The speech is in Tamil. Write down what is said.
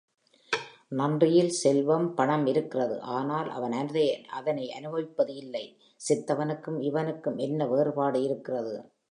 நன்றியில் செல்வம் பணம் இருக்கிறது ஆனால் அவன் அதனை அனுபவிப்பது இல்லை செத்தவனுக்கும் இவனுக்கும் என்ன வேறுபாடு இருக்கிறது?